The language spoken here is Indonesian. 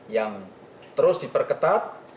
yang terus diperketat